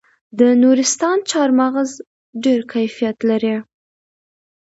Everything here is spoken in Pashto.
د نورستان چهارمغز ډیر کیفیت لري.